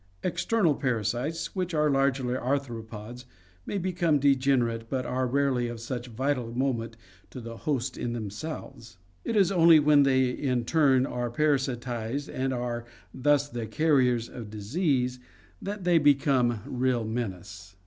External parasites, which are largely arthropods, may become degenerate but are rarely of such vital moment to the host in thetn selves; it is only when they in turn are parasitized and are thus the carriers of disease that they become a real menace.